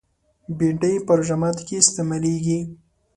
بېنډۍ په روژه ماتي کې استعمالېږي